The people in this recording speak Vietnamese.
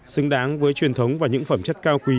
xứng đáng với truyền thống và những phẩm chất cao quý